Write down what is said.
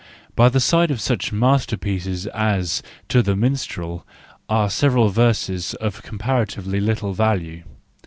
By the side of such masterpieces as " To the Mistral " are several verses of comparatively little value.